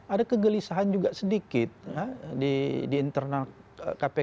ada kegelisahan juga sedikit di internal kpk